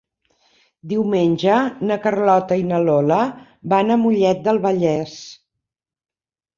Diumenge na Carlota i na Lola van a Mollet del Vallès.